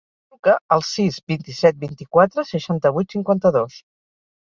Truca al sis, vint-i-set, vint-i-quatre, seixanta-vuit, cinquanta-dos.